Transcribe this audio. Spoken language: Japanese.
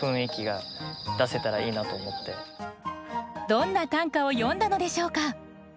どんな短歌を詠んだのでしょうか。